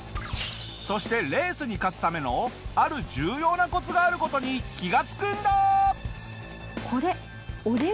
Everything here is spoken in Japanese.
そしてレースに勝つためのある重要なコツがある事に気がつくんだ！